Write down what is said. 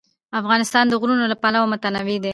افغانستان د غرونه له پلوه متنوع دی.